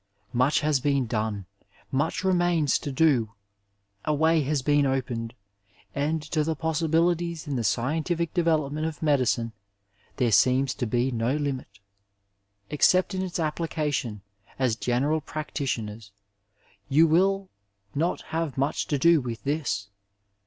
Much has been done, much remains to do ; a way has been opened, and to the possibilities in the scientific development of medicine there seems to be no limit. Except in its application, as general practitioners, you wiU not have much to do with this.